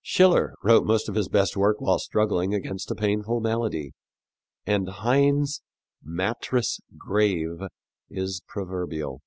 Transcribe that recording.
Schiller wrote most of his best work while struggling against a painful malady, and Heine's "mattress grave" is proverbial.